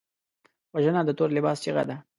وژنه د تور لباس چیغه ده